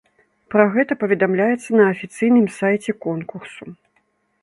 Пра гэта паведамляецца на афіцыйным сайце конкурсу.